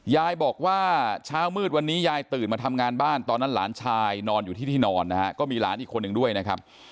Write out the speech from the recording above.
ยายบอกว่าเช้ามืดวันนี้ยายตื่นมาทำงานบ้านตอนนั้นหลานชายนอนอยู่ที่ที่นอนนะฮะก็มีหลานอีกคนหนึ่งด้วยนะครับ